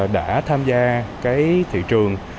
đã tham gia thị trường